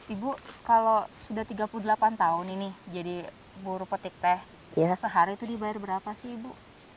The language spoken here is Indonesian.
ibu kalau sudah tiga puluh delapan tahun ini jadi buru petik teh sehari itu dibayar berapa sih ibu